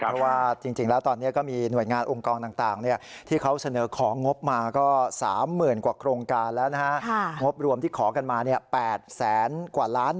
เพราะว่าจริงแล้ว